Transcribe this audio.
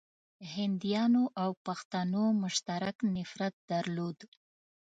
هنديانو او پښتنو مشترک نفرت درلود.